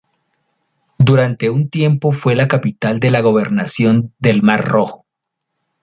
Durante un tiempo fue la capital de la Gobernación del Mar Rojo.